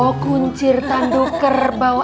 oh kuncir tanduk kerbau